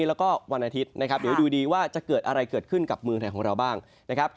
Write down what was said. แล้วก็วันอาทิตย์นะครับเดี๋ยวดูดีว่าจะเกิดอะไรเกิดขึ้นกับเมืองไทยของเราบ้างนะครับ